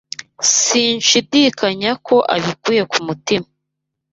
Sinshidikanya ko abikuye ku mutima.